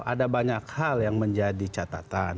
ada banyak hal yang menjadi catatan